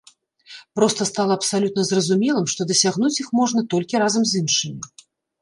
Проста стала абсалютна зразумелым, што дасягнуць іх можна толькі разам з іншымі.